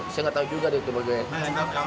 saya nggak tahu juga deh itu bagaimana